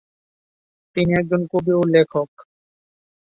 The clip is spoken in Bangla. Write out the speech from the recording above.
তিনি একজন কবি ও লেখক।